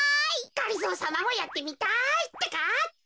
がりぞーさまもやってみたいってか。